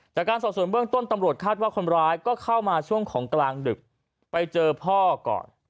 จากการสอบส่วนเบื้องต้นตำรวจคาดว่าคนร้ายก็เข้ามาช่วงของกลางดึกไปเจอพ่อก่อน